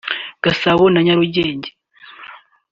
Gasabo na Nyarugenge